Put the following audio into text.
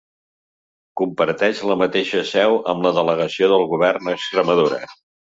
Comparteix la mateixa seu amb la Delegació del Govern a Extremadura.